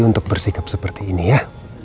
untuk bersikap seperti ini ya